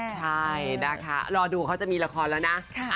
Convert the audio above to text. ใช่นะคะรอดูเขาจะมีละครแล้วนะ